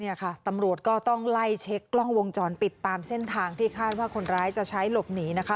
เนี่ยค่ะตำรวจก็ต้องไล่เช็คกล้องวงจรปิดตามเส้นทางที่คาดว่าคนร้ายจะใช้หลบหนีนะคะ